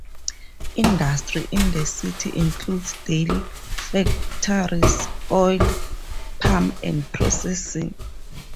Industry in the city includes dairy factories, oil palm and processing.